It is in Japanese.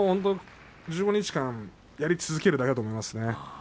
１５日間やり続けるだけだと思いますね。